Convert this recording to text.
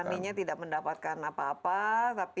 petaninya tidak mendapatkan apa apa tapi